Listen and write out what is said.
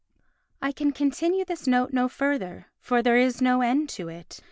. I can continue this note no further, for there is no end to it.